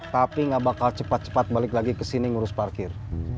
tapi nggak bakal cepat cepat balik lagi ke sini ngurus parkir